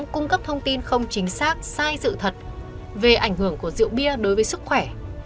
cung cấp thông tin không chính xác sai sự thật về ảnh hưởng của rượu bia đối với sức khỏe